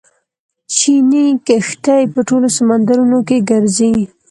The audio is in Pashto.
چیني کښتۍ په ټولو سمندرونو کې ګرځي.